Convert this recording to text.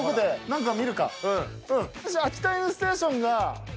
秋田犬ステーションが。